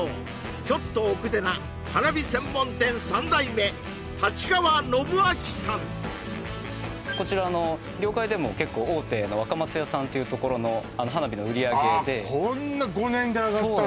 ちょっと奥手なこちらあの業界でも結構大手の若松屋さんというところの花火の売り上げであっこんな５年で上がったの？